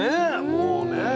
もうね。